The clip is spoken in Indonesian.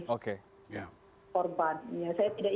korban ya saya tidak